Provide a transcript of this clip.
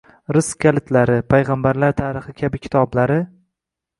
“Rizq kalitlari”, “Payg‘ambarlar tarixi” kabi kitoblari